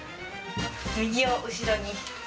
右を後ろに。